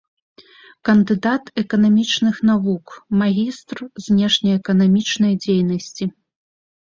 Кандыдат эканамічных навук, магістр знешнеэканамічнай дзейнасці.